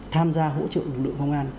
tham gia hỗ trợ lực lượng công an